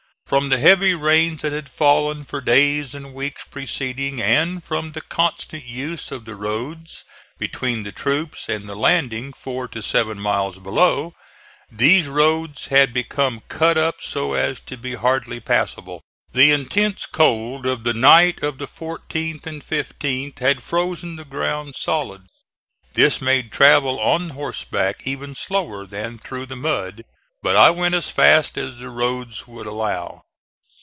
From the heavy rains that had fallen for days and weeks preceding and from the constant use of the roads between the troops and the landing four to seven miles below, these roads had become cut up so as to be hardly passable. The intense cold of the night of the 14th 15th had frozen the ground solid. This made travel on horseback even slower than through the mud; but I went as fast as the roads would allow.